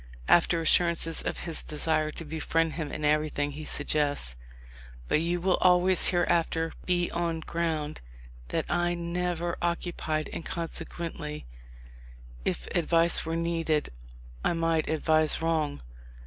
After assurances of his desire to befriend him in everything, he suggests : "But you will always hereafter be on ground that I have never occupied, and consequently, if advice were needed, I might advise wrong.